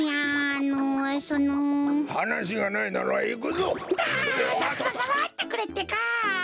あままってくれってか！